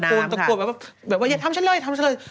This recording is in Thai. ตะกูลตะกูลแบบว่าอย่าทำฉันเลยทำฉันเลย